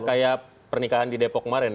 kayak pernikahan di depok kemarin ya